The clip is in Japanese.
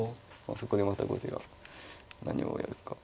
そこでまた後手が何をやるか。